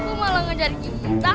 kok malah ngejar kita